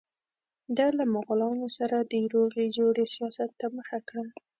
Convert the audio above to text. ده له مغولانو سره د روغې جوړې سیاست ته مخه کړه.